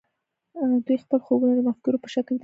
دوی خپل خوبونه د مفکورو په شکل تنظیم کړل